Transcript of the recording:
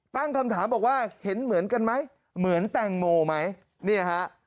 ตั้งคำถามบอกว่าเห็นเหมือนกันไหมเหมือนแตงโมไหมเนี่ยฮะ